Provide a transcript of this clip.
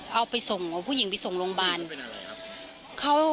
เอาผู้หญิงไปส่งโรงพยาบาล